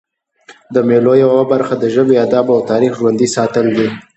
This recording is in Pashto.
د مېلو یوه برخه د ژبي، ادب او تاریخ ژوندي ساتل دي.